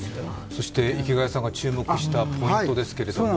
そして池谷さんが注目したポイントですけれども。